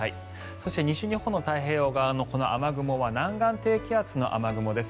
そして西日本の太平洋側のこの雨雲は南岸低気圧の雨雲です。